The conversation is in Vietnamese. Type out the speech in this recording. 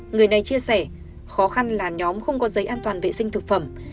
người này chia sẻ khó khăn là nhóm không có giấy an toàn vệ sinh thực phẩm